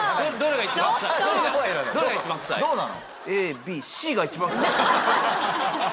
どうなの？